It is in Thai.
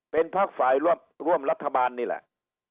เป็นพักฝ่ายร่วมรัฐบาลนี่แหละ